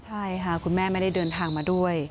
ใช่ค่ะคุณแม่ไม่ได้เดินทางมาด้วย